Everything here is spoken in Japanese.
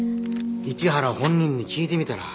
市原本人に聞いてみたら？